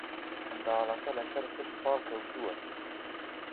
منداڵەکە لەسەرپشت پاڵکەوتووە